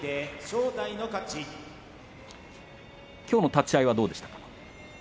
きょうの立ち合いはどうでしたか。